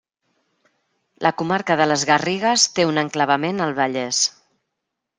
La comarca de les Garrigues té un enclavament al Vallès.